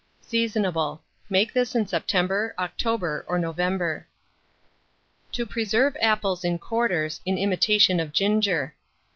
Seasonable. Make this in September, October, or November. TO PRESERVE APPLES IN QUARTERS, in imitation of Ginger.